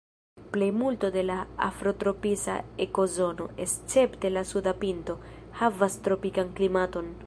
Plejmulto de la afrotropisa ekozono, escepte la suda pinto, havas tropikan klimaton.